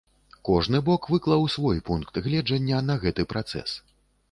Кожны бок выклаў свой пункт гледжання на гэты працэс.